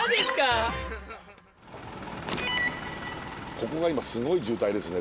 ここが今すごい渋滞ですね。